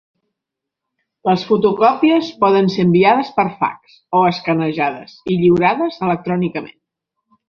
Les fotocòpies poden ser enviades per fax, o escanejades i lliurades electrònicament.